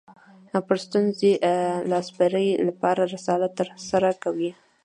پر ستونزې لاسبري لپاره رسالت ترسره کوي